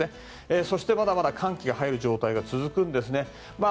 そして、まだまだ寒気が入る状態が続くんですね。